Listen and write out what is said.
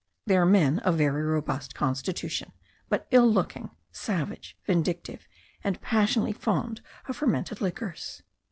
They are men of very robust constitution; but ill looking, savage, vindictive, and passionately fond of fermented liquors.